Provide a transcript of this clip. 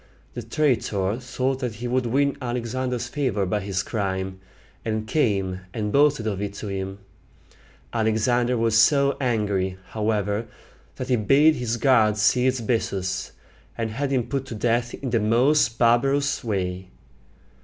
The traitor thought that he would win Alexander's favor by this crime, and came and boasted of it to him. Alexander was so angry, however, that he bade his guards seize Bessus, and had him put to death in the most barbarous way.